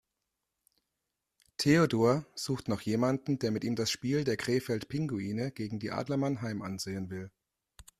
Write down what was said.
Theodor sucht noch jemanden, der mit ihm das Spiel der Krefeld Pinguine gegen die Adler Mannheim ansehen will.